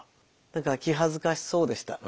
何か気恥ずかしそうでした。